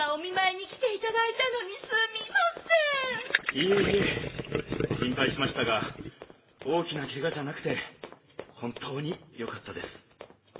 いえいえしんぱいしましたが大きなケガじゃなくてほんとうによかったです。